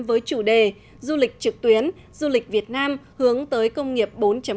với chủ đề du lịch trực tuyến du lịch việt nam hướng tới công nghiệp bốn